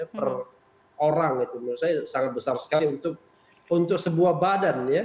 per orang itu menurut saya sangat besar sekali untuk sebuah badan ya